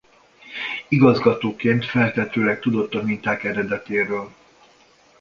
Igazgatóként feltehetőleg tudott a minták eredetéről.